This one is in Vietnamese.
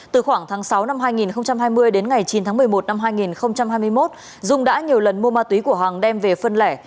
từ khoảng tháng sáu năm hai nghìn hai mươi đến ngày chín tháng một mươi một năm hai nghìn hai mươi một dung đã nhiều lần mua ma túy của hoàng đem về phân lẻ